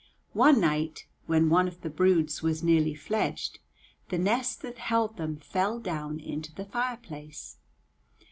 One night, when one of the broods was nearly fledged, the nest that held them fell down into the fireplace.